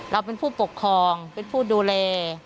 เราเป็นผู้ปกครองเป็นผู้ดูแล